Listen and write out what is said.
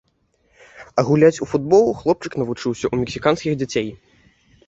А гуляць у футбол хлопчык навучыўся ў мексіканскіх дзяцей.